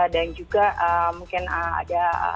dan juga mungkin ada